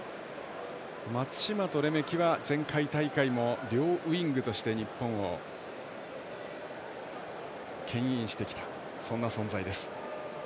松島とレメキは前回大会も両ウイングとして日本をけん引してきたそんな存在です。